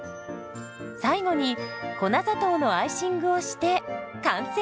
最後に粉砂糖のアイシングをして完成。